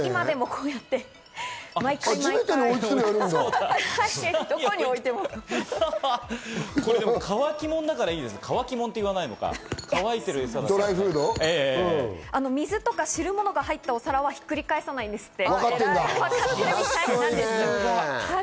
これ、乾きものだからいいで水とか汁物が入ったお皿は、ひっくり返さないんですって。